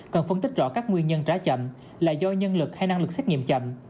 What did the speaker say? cần phân tích rõ các nguyên nhân trả chậm là do nhân lực hay năng lực xét nghiệm chậm